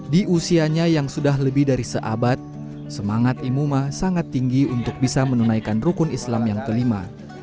di usianya yang sudah lebih dari seabad semangat imuma sangat tinggi untuk bisa menunaikan rukun islam yang kelima